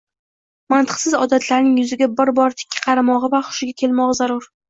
– mantiqsiz odatlarining yuziga bir bor tikka qaramog‘i va hushiga kelmog‘i zarur.